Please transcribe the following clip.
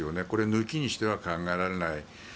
これ抜きにしては考えられない。